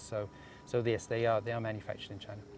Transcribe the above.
jadi mereka diluncurkan di china